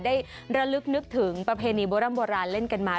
ได้ระลึกนึกถึงประเพณีโบรันเล่นกันมา